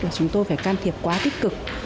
là chúng tôi phải can thiệp quá tích cực